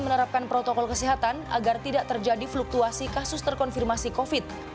menerapkan protokol kesehatan agar tidak terjadi fluktuasi kasus terkonfirmasi covid